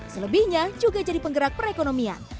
selebihnya juga jadi penggerak perekonomian